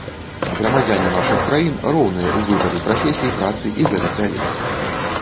Грамадзяне нашых краін роўныя ў выбары прафесій, працы і гэтак далей.